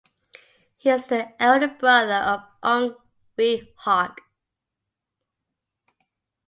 He is the elder brother of Ong Ewe Hock.